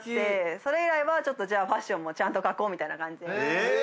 それ以来はじゃあファッションもちゃんと描こうみたいな感じで。